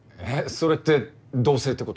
それって同棲ってこと？